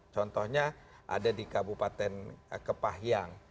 contohnya ada di kabupaten kepahyang